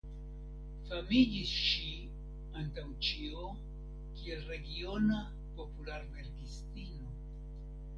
Famiĝis ŝi antaŭ ĉio kiel regiona popularverkistino.